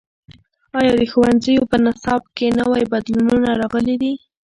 ایا د ښوونځیو په نصاب کې نوي بدلونونه راغلي دي؟